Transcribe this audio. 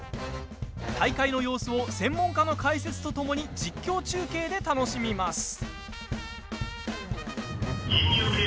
大会の様子を専門家の解説とともに実況中継で楽しみます。